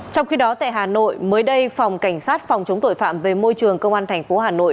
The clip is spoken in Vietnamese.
trong khi đó tại hà nội mới đây phòng cảnh sát phòng chống tội phạm về môi trường công an tp hà nội